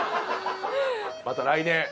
また来年。